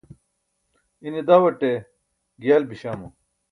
ine dawṭe giyal biśamo